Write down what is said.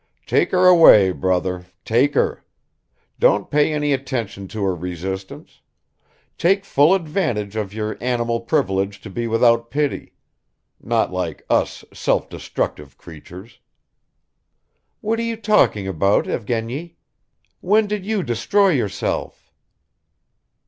Take her away, brother, take her! Don't pay any attention to her resistance; take full advantage of your animal privilege to be without pity not like us self destructive creatures!" "What are you talking about, Evgeny? When did you destroy yourself?"